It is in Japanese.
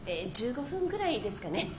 １５分ぐらいですかね。